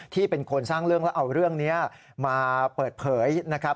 ที่เป็นคนสร้างเรื่องแล้วเอาเรื่องนี้มาเปิดเผยนะครับ